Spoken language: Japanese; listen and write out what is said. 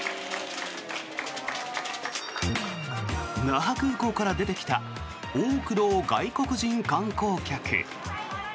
那覇空港から出てきた多くの外国人観光客。